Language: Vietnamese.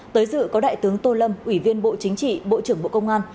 tới dự có đại tướng tô lâm ủy viên bộ chính trị bộ trưởng bộ công an